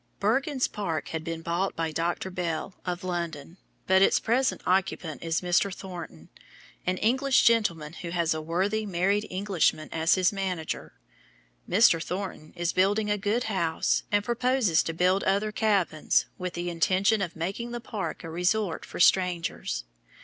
Bergens Park had been bought by Dr. Bell, of London, but its present occupant is Mr. Thornton, an English gentleman, who has a worthy married Englishman as his manager. Mr. Thornton is building a good house, and purposes to build other cabins, with the intention of making the park a resort for strangers.